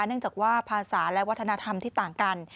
เนื่องจากว่าภาษาและวัฒนธรรมที่ต่างกัน